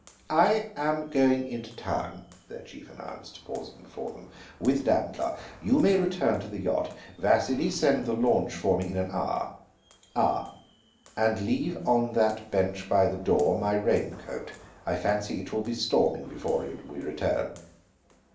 "I am going into the town," their chief announced, pausing before them, "with Dancla. You may return to the yacht. Vasili, send the launch for me in an hour. Ah, and leave on that bench by the door my rain coat; I fancy it will be storming before we return.